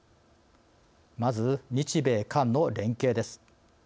まず日米韓の連携です。